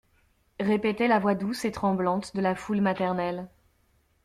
Répétait la voix douce et tremblante de la foule maternelle.